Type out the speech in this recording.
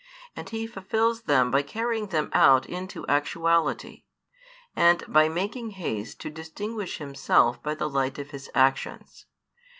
And he fulfils them by carrying them out into actuality, and by making haste to distinguish himself by the light of his actions.